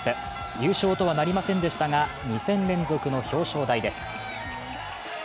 優勝とはなりませんでしたが、２戦連続の表彰台です。